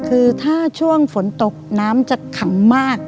คือถ้าช่วงฝนตกน้ำจะขังมาก